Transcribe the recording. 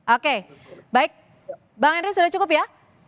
oke baik bang henry sudah cukup ya